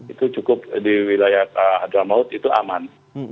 itu cukup di wilayah dramaut itu aman